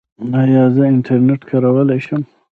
ایا زه انټرنیټ کارولی شم؟